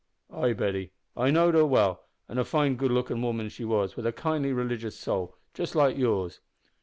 "Ay, Betty, I knowed her well, an' a fine, good lookin' woman she was, wi' a kindly, religious soul, just like yours.